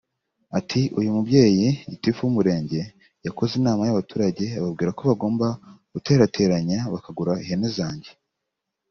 Ati “Uyu mubyeyi [gitifu w’umurenge] yakoze inama y’abaturage ababwira ko bagomba guterateranya bakagura ihene zanjye